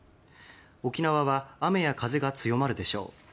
沖縄は雨や風が強まるでしょう。